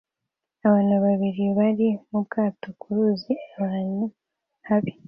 Abantu babiri bari mu bwato ku ruzi ahantu habi